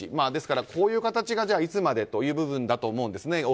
ですから、こういう形がいつまでという話だと思うんですね。